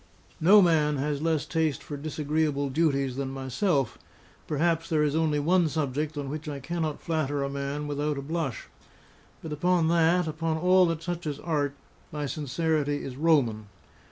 No man has less taste for disagreeable duties than myself; perhaps there is only one subject on which I cannot flatter a man without a blush; but upon that, upon all that touches art, my sincerity is Roman.